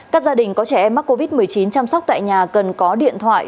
các gia đình có trẻ em mắc covid một mươi chín chăm sóc tại nhà cần có điện thoại